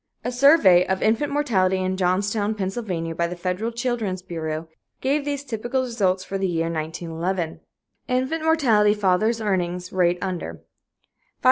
A survey of infant mortality in Johnstown, Pa., by the federal Children's Bureau, gave these typical results for the year 1911: Infant Mortality Father's Earnings Rate Under $521..................